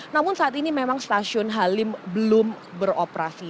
namun saat ini memang stasiun halim belum beroperasi